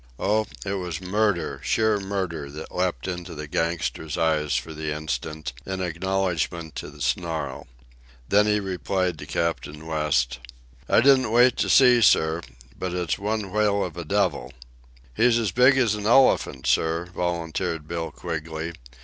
Oh, it was murder, sheer murder, that leapt into the gangster's eyes for the instant, in acknowledgment of the snarl. Then he replied to Captain West: "I didn't wait to see, sir. But it's one whale of a devil." "He's as big as a elephant, sir," volunteered Bill Quigley.